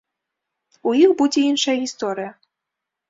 У іх будзе іншая гісторыя.